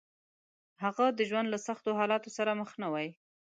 هغه د ژوند له سختو حالاتو سره مخ نه وي.